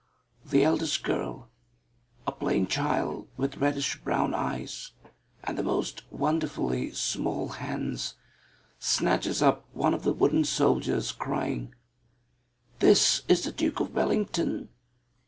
The eldest girl, a plain child with reddish brown eyes, and the most wonderfully small hands, snatches up one of the wooden soldiers, crying, "This is the Duke of Wellington!